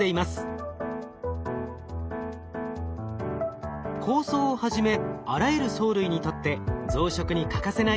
紅藻をはじめあらゆる藻類にとって増殖に欠かせない栄養素が窒素です。